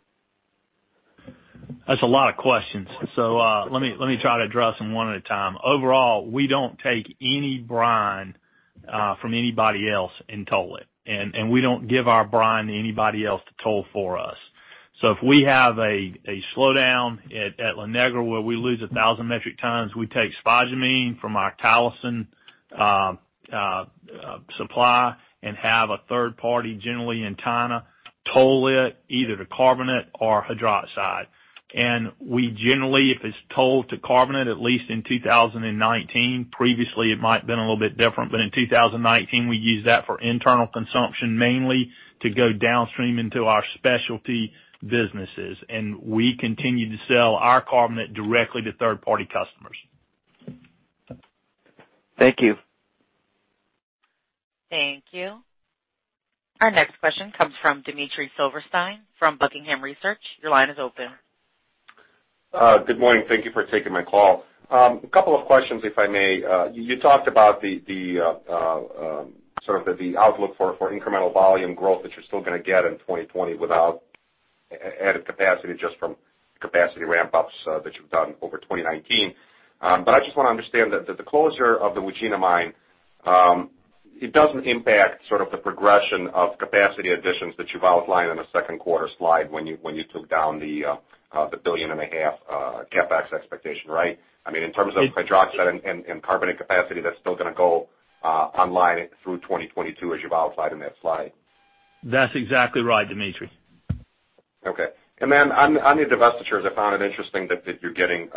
That's a lot of questions. Let me try to address them one at a time. Overall, we don't take any brine from anybody else and toll it, and we don't give our brine to anybody else to toll for us. If we have a slowdown at La Negra where we lose 1,000 metric tons, we take spodumene from our Talison supply and have a third party, generally in China, toll it either to carbonate or hydroxide. We generally, if it's tolled to carbonate, at least in 2019, previously it might have been a little bit different, but in 2019, we used that for internal consumption, mainly to go downstream into our specialty businesses. We continue to sell our carbonate directly to third-party customers. Thank you. Thank you. Our next question comes from Dmitry Silversteyn from Buckingham Research. Your line is open. Good morning. Thank you for taking my call. A couple of questions, if I may. You talked about sort of the outlook for incremental volume growth that you're still going to get in 2020 without added capacity, just from capacity ramp-ups that you've done over 2019. I just want to understand that the closure of the Wodgina mine, it doesn't impact sort of the progression of capacity additions that you've outlined on the second quarter slide when you took down the billion and a half CapEx expectation, right? I mean, in terms of hydroxide and carbonate capacity, that's still going to go online through 2022 as you've outlined in that slide. That's exactly right, Dmitry. Okay. On the divestitures, I found it interesting that you're getting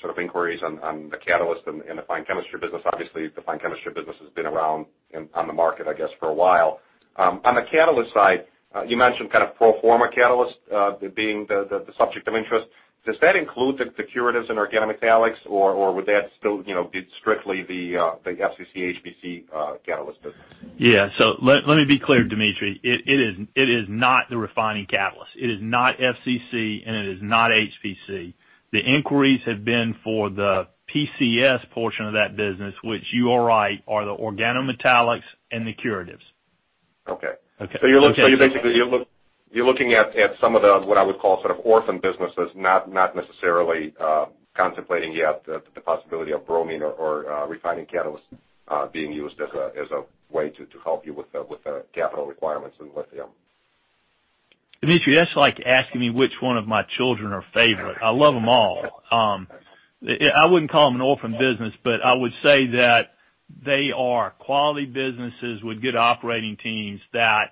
sort of inquiries on the catalyst in the Fine Chemistry Services. Obviously, the Fine Chemistry Services has been around on the market, I guess, for a while. On the catalyst side, you mentioned kind of pro forma catalyst being the subject of interest. Does that include the curatives and organometallics, or would that still be strictly the FCC/HPC catalyst business? Yeah. Let me be clear, Dmitry. It is not the refining catalyst. It is not FCC, and it is not HPC. The inquiries have been for the PCS portion of that business, which you are right, are the organometallics and the curatives. Okay. Okay. You're looking at some of the, what I would call sort of orphan businesses, not necessarily contemplating yet the possibility of bromine or refining catalyst being used as a way to help you with the capital requirements in lithium. Dmitry, that's like asking me which one of my children are favorite. I love them all. I wouldn't call them an orphan business, but I would say that they are quality businesses with good operating teams that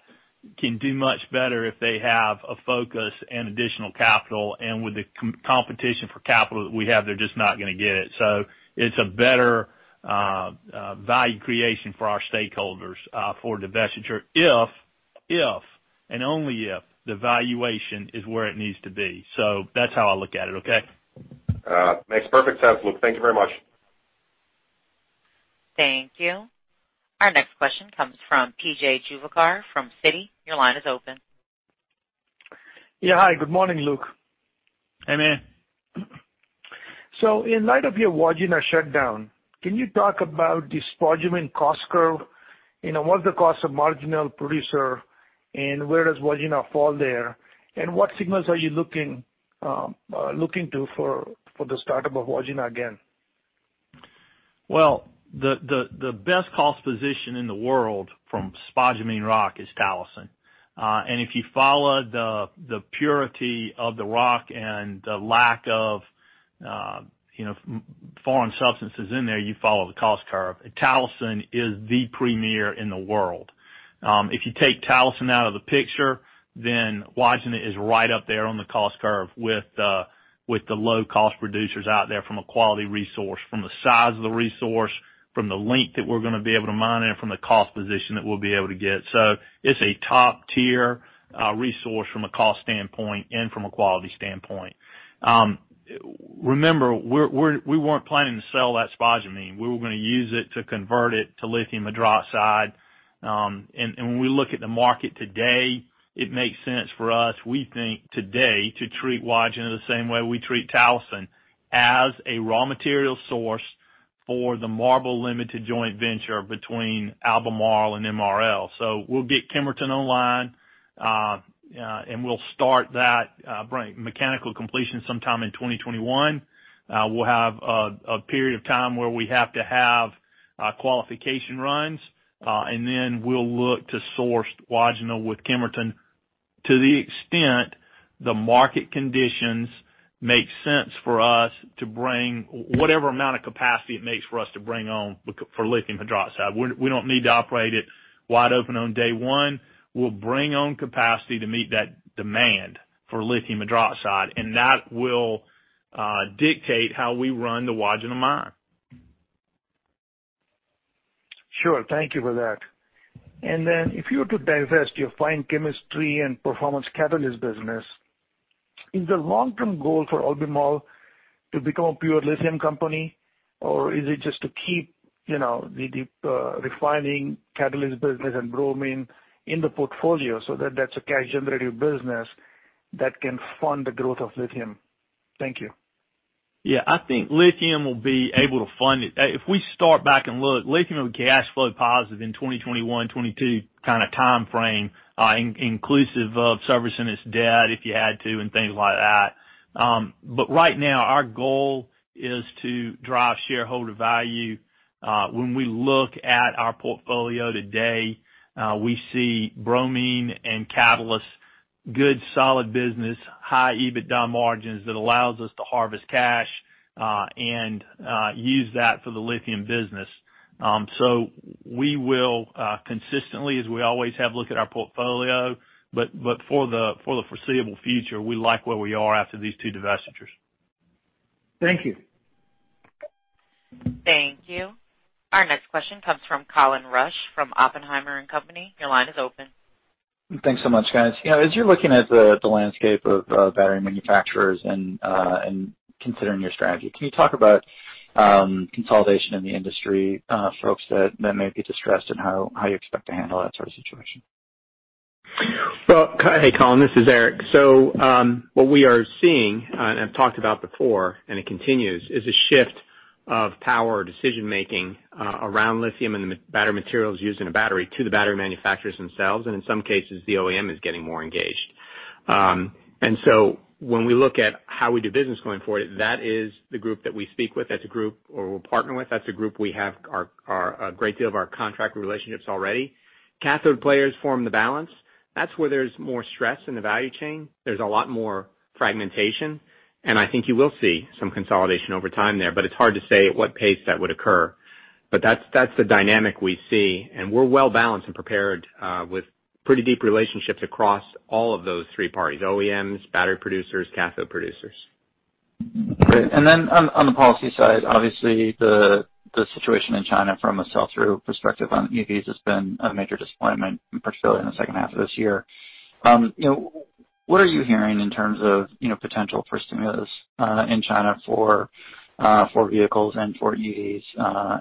can do much better if they have a focus and additional capital. With the competition for capital that we have, they're just not going to get it. It's a better value creation for our stakeholders for divestiture if and only if the valuation is where it needs to be. That's how I look at it, okay? Makes perfect sense, Luke. Thank you very much. Thank you. Our next question comes from P.J. Juvekar from Citi. Your line is open. Yeah. Hi. Good morning, Luke. Hey, man. In light of your Wodgina shutdown, can you talk about the spodumene cost curve? What is the cost of marginal producer, and where does Wodgina fall there? What signals are you looking to for the startup of Wodgina again? Well, the best cost position in the world from spodumene rock is Talison. If you follow the purity of the rock and the lack of foreign substances in there, you follow the cost curve. Talison is the premier in the world. If you take Talison out of the picture, Wodgina is right up there on the cost curve with the low-cost producers out there from a quality resource, from the size of the resource, from the length that we're going to be able to mine, and from the cost position that we'll be able to get. It's a top-tier resource from a cost standpoint and from a quality standpoint. Remember, we weren't planning to sell that spodumene. We were going to use it to convert it to lithium hydroxide. When we look at the market today, it makes sense for us, we think today, to treat Wodgina the same way we treat Talison, as a raw material source for the MARBL Lithium Joint Venture between Albemarle and MRL. We'll get Kemerton online, and we'll start that mechanical completion sometime in 2021. We'll have a period of time where we have to have qualification runs, and then we'll look to source Wodgina with Kemerton to the extent the market conditions make sense for us to bring whatever amount of capacity it makes for us to bring on for lithium hydroxide. We don't need to operate it wide open on day one. We'll bring on capacity to meet that demand for lithium hydroxide, and that will dictate how we run the Wodgina mine. Sure. Thank you for that. If you were to divest your fine chemistry and performance catalyst business, is the long-term goal for Albemarle to become a pure lithium company, or is it just to keep the refining catalyst business and bromine in the portfolio so that that's a cash generative business that can fund the growth of lithium? Thank you. Yeah, I think lithium will be able to fund it. If we start back and look, lithium will be cash flow positive in 2021, 2022 kind of timeframe, inclusive of servicing its debt if you had to and things like that. Right now, our goal is to drive shareholder value. When we look at our portfolio today, we see bromine and catalysts, good solid business, high EBITDA margins that allows us to harvest cash, and use that for the lithium business. We will consistently, as we always have, look at our portfolio, but for the foreseeable future, we like where we are after these two divestitures. Thank you. Thank you. Our next question comes from Colin Rusch from Oppenheimer & Company. Your line is open. Thanks so much, guys. As you're looking at the landscape of battery manufacturers and considering your strategy, can you talk about consolidation in the industry for folks that may be distressed and how you expect to handle that sort of situation? Hey, Colin, this is Eric. What we are seeing, and I've talked about before, and it continues, is a shift of power decision-making around lithium and the battery materials used in a battery to the battery manufacturers themselves, and in some cases, the OEM is getting more engaged. When we look at how we do business going forward, that is the group that we speak with. That's a group who we're partnered with. That's a group we have a great deal of our contract relationships already. Cathode players form the balance. That's where there's more stress in the value chain. There's a lot more fragmentation, and I think you will see some consolidation over time there, but it's hard to say at what pace that would occur. That's the dynamic we see, and we're well-balanced and prepared with pretty deep relationships across all of those three parties: OEMs, battery producers, cathode producers. Great. On the policy side, obviously the situation in China from a sell-through perspective on EVs has been a major disappointment, particularly in the second half of this year. What are you hearing in terms of potential for stimulus in China for vehicles and for EVs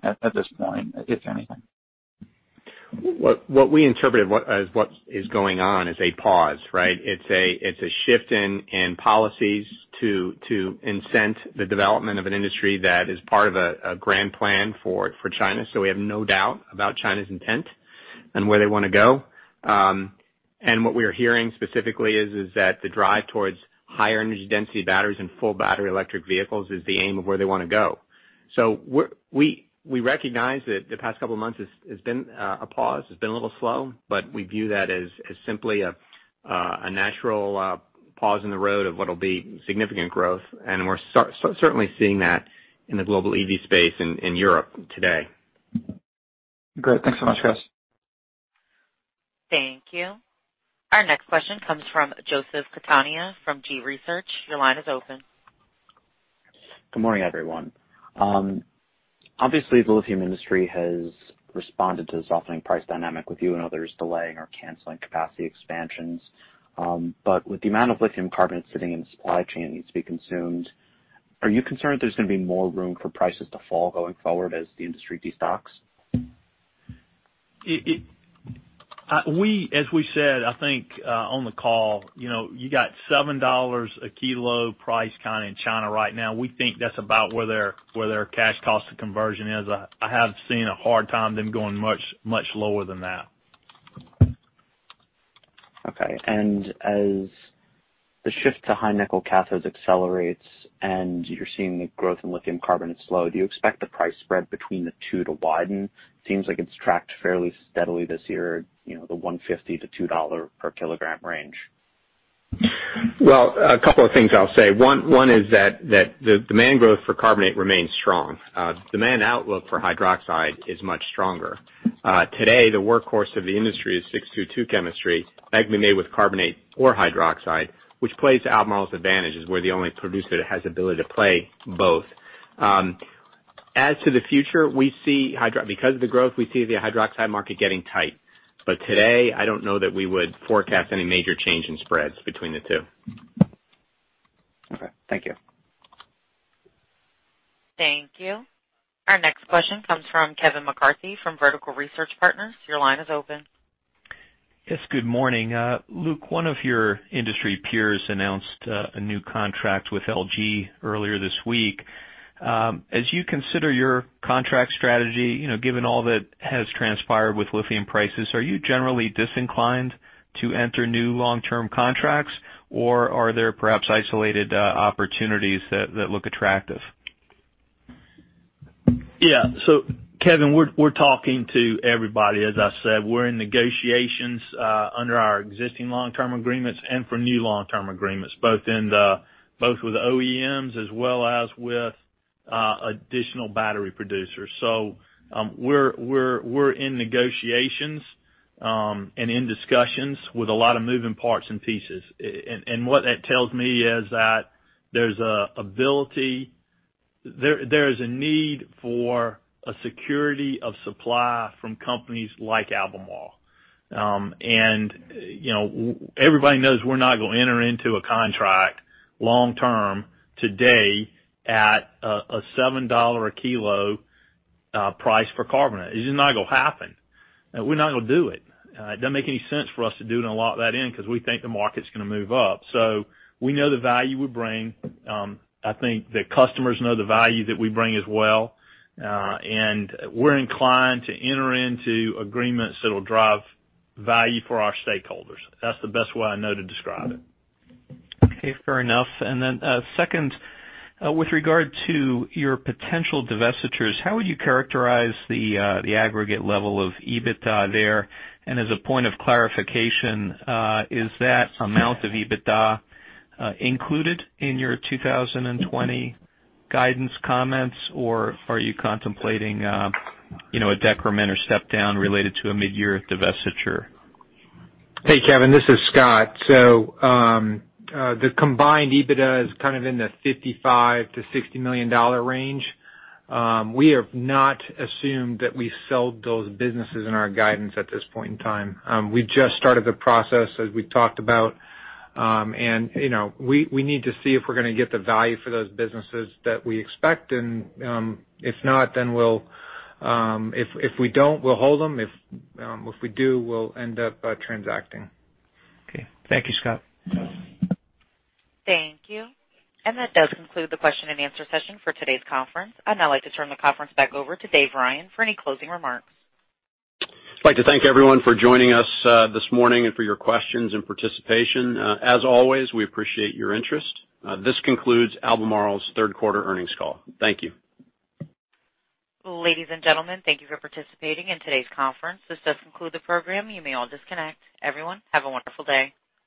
at this point, if anything? What we interpreted as what is going on is a pause, right? It's a shift in policies to incent the development of an industry that is part of a grand plan for China, so we have no doubt about China's intent and where they want to go. What we are hearing specifically is that the drive towards higher energy density batteries and full battery electric vehicles is the aim of where they want to go. We recognize that the past couple of months has been a pause. It's been a little slow, but we view that as simply a natural pause in the road of what'll be significant growth, and we're certainly seeing that in the global EV space in Europe today. Great. Thanks so much, guys. Thank you. Our next question comes from Joseph Catania from G.research. Your line is open. Good morning, everyone. Obviously, the lithium industry has responded to the softening price dynamic with you and others delaying or canceling capacity expansions. Are you concerned there's going to be more room for prices to fall going forward as the industry destocks? As we said, I think on the call, you got $7 a kilo price kind of in China right now. We think that's about where their cash cost of conversion is. I have seen a hard time them going much lower than that. Okay. As the shift to high nickel cathodes accelerates and you're seeing the growth in lithium carbonate slow, do you expect the price spread between the two to widen? Seems like it's tracked fairly steadily this year, the $1.50-$2 per kilogram range. A couple of things I'll say. One is that the demand growth for carbonate remains strong. Demand outlook for hydroxide is much stronger. Today, the workhorse of the industry is 622 chemistry, likely made with carbonate or hydroxide, which plays to Albemarle's advantage, as we're the only producer that has ability to play both. As to the future, because of the growth, we see the hydroxide market getting tight. Today, I don't know that we would forecast any major change in spreads between the two. Okay. Thank you. Thank you. Our next question comes from Kevin McCarthy from Vertical Research Partners. Your line is open. Yes, good morning. Luke, one of your industry peers announced a new contract with LG earlier this week. As you consider your contract strategy, given all that has transpired with lithium prices, are you generally disinclined to enter new long-term contracts, or are there perhaps isolated opportunities that look attractive? Yeah. Kevin, we're talking to everybody. As I said, we're in negotiations under our existing long-term agreements and for new long-term agreements, both with OEMs as well as with additional battery producers. We're in negotiations and in discussions with a lot of moving parts and pieces. What that tells me is that there's a need for a security of supply from companies like Albemarle. Everybody knows we're not going to enter into a contract long-term today at a $7 a kilo price for carbonate. It's just not going to happen. We're not going to do it. It doesn't make any sense for us to do it and lock that in because we think the market's going to move up. We know the value we bring. I think the customers know the value that we bring as well. We're inclined to enter into agreements that'll drive value for our stakeholders. That's the best way I know to describe it. Okay. Fair enough. Then, second, with regard to your potential divestitures, how would you characterize the aggregate level of EBITDA there? As a point of clarification, is that amount of EBITDA included in your 2020 guidance comments, or are you contemplating a decrement or step down related to a mid-year divestiture? Hey, Kevin, this is Scott. The combined EBITDA is kind of in the $55 million-$60 million range. We have not assumed that we sold those businesses in our guidance at this point in time. We just started the process, as we talked about. We need to see if we're going to get the value for those businesses that we expect, and if we don't, we'll hold them. If we do, we'll end up transacting. Okay. Thank you, Scott. Thank you. That does conclude the question and answer session for today's conference. I'd now like to turn the conference back over to Dave Ryan for any closing remarks. I'd like to thank everyone for joining us this morning and for your questions and participation. As always, we appreciate your interest. This concludes Albemarle's third quarter earnings call. Thank you. Ladies and gentlemen, thank you for participating in today's conference. This does conclude the program. You may all disconnect. Everyone, have a wonderful day.